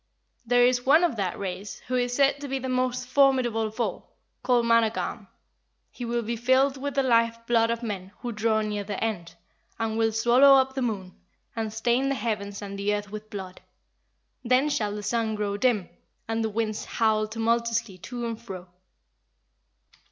There is one of that race, who is said to be the most formidable of all, called Managarm: he will be filled with the life blood of men who draw near their end, and will swallow up the moon, and stain the heavens and the earth with blood. Then shall the sun grow dim, and the winds howl tumultuously to and fro."